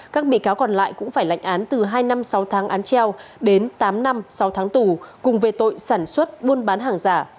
các bị cáo còn lại cũng phải lệnh án từ hai năm sáu tháng án treo đến tám năm sáu tháng tù cùng về tội sản xuất buôn bán hàng giả